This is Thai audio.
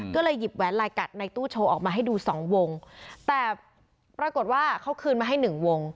ก็เลยหยิบแหวนลายกัดในตู้โชว์ออกมาให้ดูสองวงแต่ปรากฏว่าเขาคืนมาให้หนึ่งวง